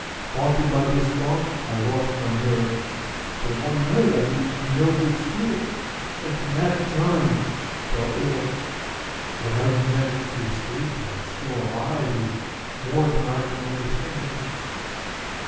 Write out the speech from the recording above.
Haunted by this thought, I lost my nerve, till one night I beheld your spirit, and from that time fell ill. But how you managed to escape, and are still alive, is more than I can understand."